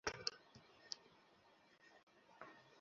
এ হাদীস দুটি প্রামাণ্য নয়।